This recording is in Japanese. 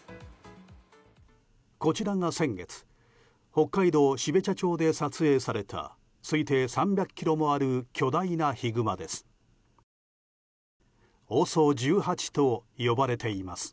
こちらが先月北海道標茶町で撮影された推定３００ｋｇもある巨大なヒグマです。